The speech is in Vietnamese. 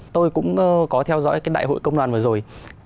tôi cũng có theo dõi cái đại hội công đoàn vừa rồi